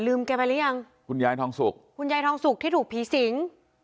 แกไปหรือยังคุณยายทองสุกคุณยายทองสุกที่ถูกผีสิง